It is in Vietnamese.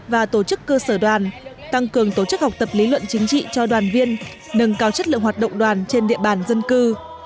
và tổ chức cơ sở đoàn tăng cường tổ chức học tập lý luận chính trị cho đoàn viên nâng cao chất lượng hoạt động đoàn trên địa bàn dân cư